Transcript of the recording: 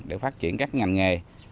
để phát triển các ngành nghề